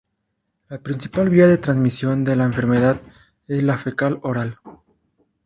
La principal vía de transmisión de la enfermedad es la fecal-oral.